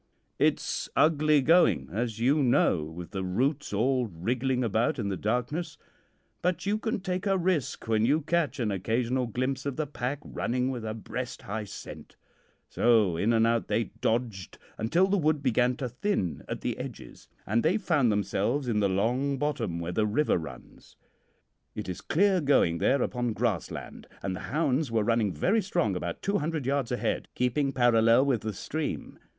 "It's ugly going, as you know, with the roots all wriggling about in the darkness, but you can take a risk when you catch an occasional glimpse of the pack running with a breast high scent; so in and out they dodged until the wood began to thin at the edges, and they found themselves in the long bottom where the river runs. It is clear going there upon grassland, and the hounds were running very strong about two hundred yards ahead, keeping parallel with the stream.